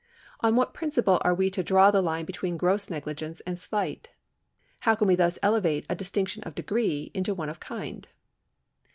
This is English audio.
On what principle are we to di'aw the line between gross negligence and slight ? How can we thus elevate a distinc tion of degree into one of kind